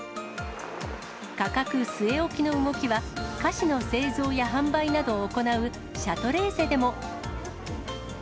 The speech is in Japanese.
価格据え置きの動きは、菓子の製造や販売などを行うシャトレーゼでも。